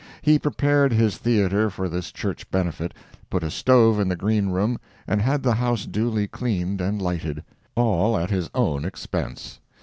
He prepared his theatre for this church benefit, put a stove in the green room, and had the house duly cleaned and lighted—all at his own expense.